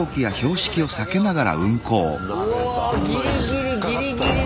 うわギリギリギリギリだ。